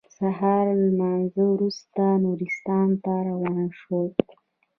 سهار له لمانځه وروسته نورستان ته روان شوم.